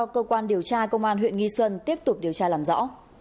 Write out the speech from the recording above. cơ quan điều tra công an huyện nghi xuân tiếp tục điều tra làm rõ